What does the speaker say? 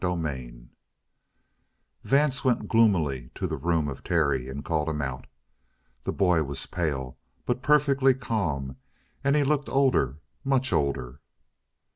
CHAPTER 16 Vance went gloomily to the room of Terry and called him out. The boy was pale, but perfectly calm, and he looked older, much older.